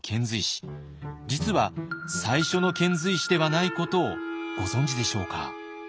実は最初の遣隋使ではないことをご存じでしょうか。